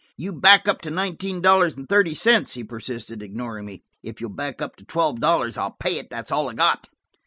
"You back up to nineteen dollars and thirty cents," he persisted, ignoring me. "If you'll back up to twelve dollars, I'll pay it. That's all I've got."